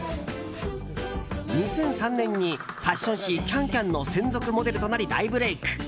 ２００３年にファッション誌「ＣａｎＣａｍ」の専属モデルとなり、大ブレーク。